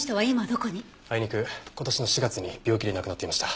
あいにく今年の４月に病気で亡くなっていました。